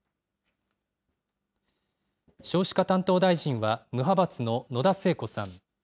少子化担当大臣は無派閥の野田聖子さん。